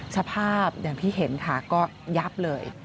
สภาพอย่างที่เห็นค่ะก็ยับเลย